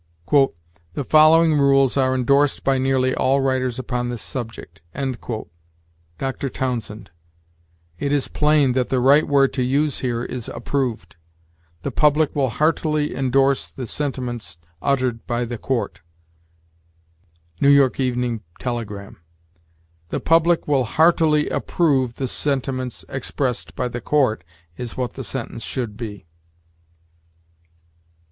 "The following rules are indorsed by nearly all writers upon this subject." Dr. Townsend. It is plain that the right word to use here is approved. "The public will heartily indorse the sentiments uttered by the court." New York "Evening Telegram." "The public will heartily approve the sentiments expressed by the court," is what the sentence should be.